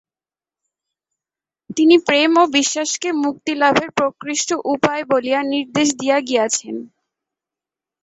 তিনি প্রেম ও বিশ্বাসকে মুক্তিলাভের প্রকৃষ্ট উপায় বলিয়া নির্দেশ দিয়া গিয়াছেন।